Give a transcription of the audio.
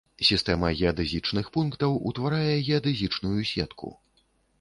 Сістэма геадэзічных пунктаў утварае геадэзічную сетку.